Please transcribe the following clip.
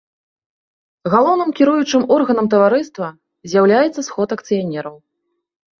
Галоўным кіруючым органам таварыства з'яўляецца сход акцыянераў.